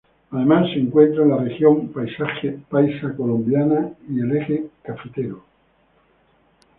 Además, se encuentra en la región paisa colombiana y el eje cafetero.